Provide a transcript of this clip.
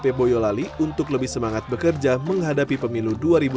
dpp boyolali untuk lebih semangat bekerja menghadapi pemilu dua ribu dua puluh